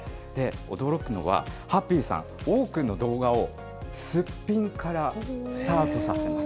驚くのは、ハッピーさん、多くの動画をスッピンからスタートさせます。